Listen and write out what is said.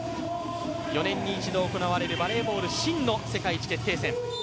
４年に一度行われるバレーボールの真の世界一決定戦。